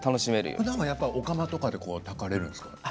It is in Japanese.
ふだんはお釜で炊かれるんですか。